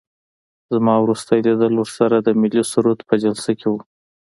زما وروستی لیدل ورسره د ملي سرود په جلسه کې وو.